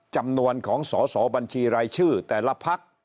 จำนวนของสอสอบัญชีรายชื่อแต่ละพัก